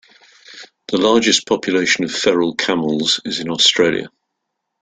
The largest population of feral camels is in Australia.